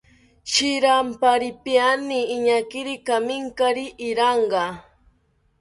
Shiramparipaeni iñaakiri kaminkari iraga